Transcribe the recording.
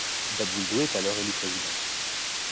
Dabwido est alors élu Président.